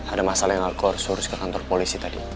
ada masalah yang alkor suruh ke kantor polisi tadi